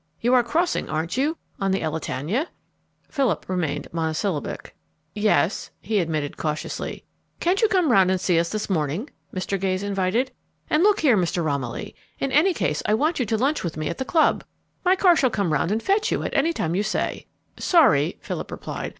You are crossing, aren't you, on the Elletania?" Philip remained monosyllabic. "Yes," he admitted cautiously. "Can't you come round and see us this morning?" Mr. Gayes invited. "And look here, Mr. Romilly, in any case I want you to lunch with me at the club. My car shall come round and fetch you at any time you say." "Sorry," Philip replied.